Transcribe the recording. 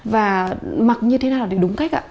và mặc như thế nào để đúng cách ạ